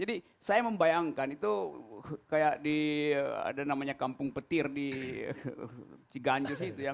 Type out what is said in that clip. jadi saya membayangkan itu kayak di ada namanya kampung petir di ciganjur